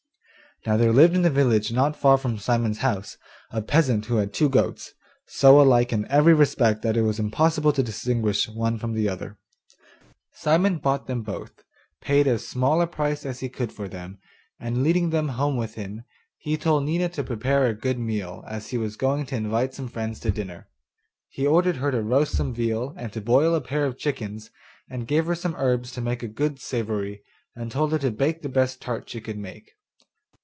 Now there lived in the village not far from Simon's house, a peasant who had two goats, so alike in every respect that it was impossible to distinguish one from the other. Simon bought them both, paid as small a price as he could for them, and leading them home with him, he told Nina to prepare a good meal, as he was going to invite some friends to dinner. He ordered her to roast some veal, and to boil a pair of chickens, and gave her some herbs to make a good savoury, and told her to bake the best tart she could make.